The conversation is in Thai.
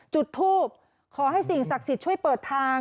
จุดทูบขอให้สิ่งศักดิ์สิทธิ์ช่วยเปิดทาง